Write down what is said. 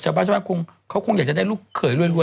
เฉพาะเฉพาะเขาคงอยากจะได้ลูกเขยรวยรวย